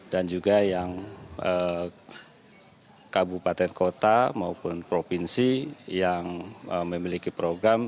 dan juga yang kabupaten kota maupun provinsi yang memiliki program